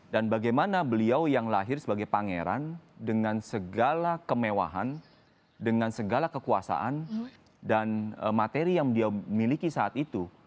dan bagaimana beliau yang lahir sebagai pangeran dengan segala kemewahan dengan segala kekuasaan dan materi yang dia miliki saat itu